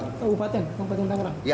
kabupaten kabupaten tanggerang